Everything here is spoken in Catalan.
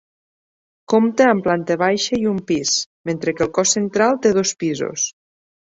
Compta amb planta baixa i un pis, mentre que el cos central té dos pisos.